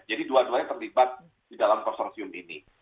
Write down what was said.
jadi dua duanya terlibat di dalam konsorsium ini